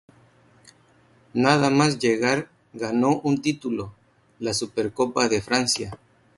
Nada más llegar ganó un título, la Supercopa de Francia.